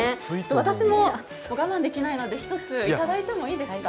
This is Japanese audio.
私も我慢できないので１ついただいてもいいですか？